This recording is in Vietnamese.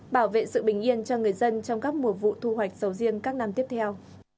bảo vệ sự bình yên cho người dân trong các mùa vụ thu hoạch sầu riêng các năm tiếp theo